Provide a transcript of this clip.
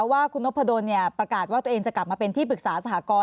ว่าคุณนพดลประกาศว่าตัวเองจะกลับมาเป็นที่ปรึกษาสหกร